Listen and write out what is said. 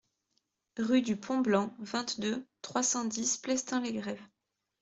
Rue du Pont Blanc, vingt-deux, trois cent dix Plestin-les-Grèves